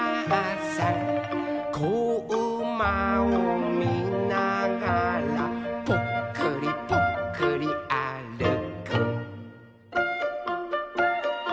「こうまをみながらぽっくりぽっくりあるく」